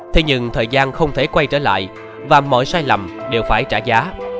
thế nhưng thời gian không thể quay trở lại và mọi sai lầm đều phải trả giá